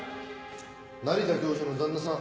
成田教授の旦那さん。